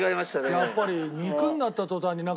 やっぱり。